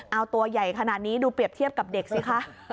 เอาตัวใหญ่ขนาดนี้ดูเปรียบเทียบกับเด็กสิคะ